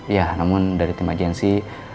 ya namun dari tim agensi